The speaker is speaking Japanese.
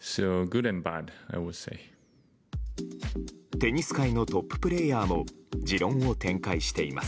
テニス界のトッププレーヤーも持論を展開しています。